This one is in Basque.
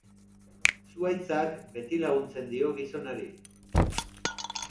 Zuhaitzak beti laguntzen dio gizonari.